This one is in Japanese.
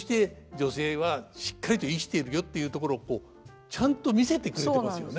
女性はしっかりと生きてるよっていうところをちゃんと見せてくれてますよね。